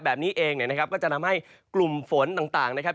แบบนี้เองเนี่ยนะครับก็จะทำให้กลุ่มฝนต่างนะครับ